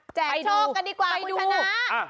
อ่ะแจกโชคกันดีกว่าคุณชนะ